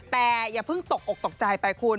แต่อย่าเพิ่งตกอกตกใจไปคุณ